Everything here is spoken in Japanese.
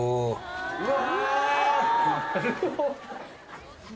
うわ！